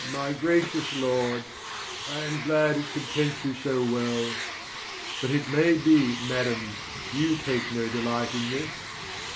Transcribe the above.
FAUSTUS. My gracious lord, I am glad it contents you so well. But it may be, madam, you take no delight in this.